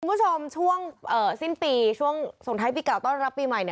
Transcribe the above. คุณผู้ชมช่วงสิ้นปีช่วงส่งท้ายปีเก่าต้อนรับปีใหม่